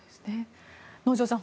能條さん